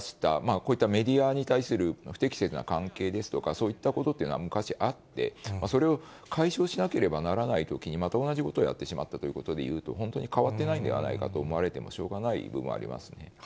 こういったメディアに対する不適切な関係ですとか、そういったことっていうのは、昔あって、それを解消しなければならないときに、また同じことをやってしまってということになると、本当に変わってないんではないかと思われてもしょうがない部分はありますね。